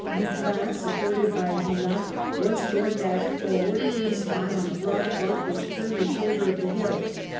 Ruffin, supported by Vilatte, once more dashed forward, this time on a broad front which turned the shoulder of the hill.